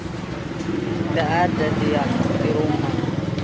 tidak ada di rumah